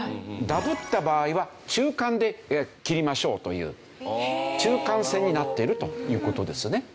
ダブった場合は中間で切りましょうという中間線になっているという事ですね。